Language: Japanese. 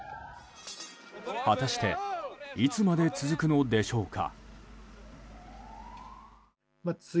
果たしていつまで続くのでしょうか。